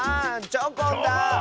チョコン。